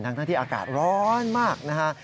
ทั้งที่อากาศร้อนมากนะฮะ